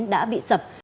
đã bị sập